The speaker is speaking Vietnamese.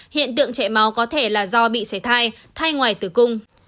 hiện tượng chảy máu có thể là do bị xảy thai thai ngoài tử cung